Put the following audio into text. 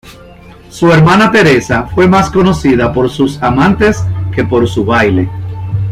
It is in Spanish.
Su hermana Teresa fue más conocida por sus amantes que por su baile.